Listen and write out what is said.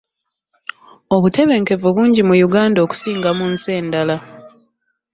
Obutebenkevu bungi mu Uganda okusinga mu nsi endala.